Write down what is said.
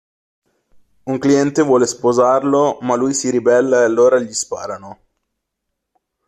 Un cliente vuole sposarlo ma lui si ribella e allora gli sparano.